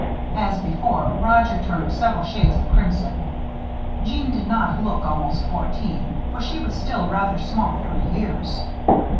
As before, Roger turned several shades of crimson. Jeanne did not look almost fourteen, for she was still rather small for her years.